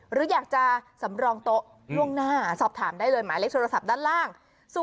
หรืออยากจะสำรองโต๊ะล่วงหน้าสอบถามได้เลยหมายเลขโทรศัพท์ด้านล่าง